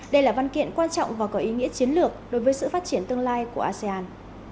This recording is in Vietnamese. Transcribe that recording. đây là văn kiện quan trọng và có ý nghĩa chiến lược đối với sự phát triển tương lai của asean